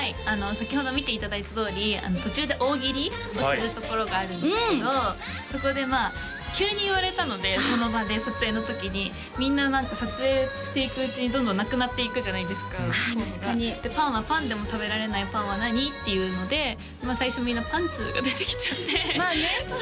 先ほど見ていただいたとおり途中で大喜利をするところがあるんですけどそこで急に言われたのでその場で撮影の時にみんな何か撮影していくうちにどんどんなくなっていくじゃないですか候補がで「パンはパンでも食べられないパンは何？」っていうので最初みんな「パンツ」が出てきちゃってまあね